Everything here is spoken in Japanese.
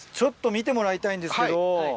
見てもらいたいんですけど。